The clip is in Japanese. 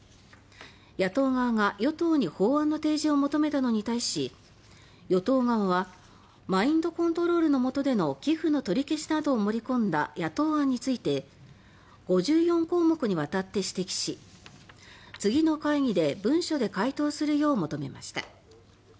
野党側が与党に法案の提示を求めたのに対し与党側はマインドコントロールのもとでの寄付の取り消しなどを盛り込んだ野党案について５４項目にわたって指摘し次の会議で文書で回答するよう求めました。